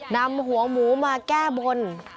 นำหัวหมูมาแก้บน